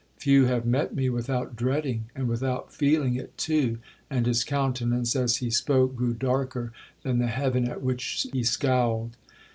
—few have met me without dreading, and without feeling it too!' and his countenance, as he spoke, grew darker than the heaven at which he scowled.